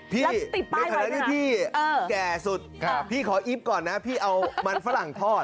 พี่ในฐานะที่พี่แก่สุดพี่ขออีฟก่อนนะพี่เอามันฝรั่งทอด